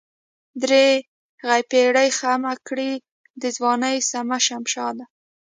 درېغه پيرۍ خم کړې دَځوانۍ سمه شمشاده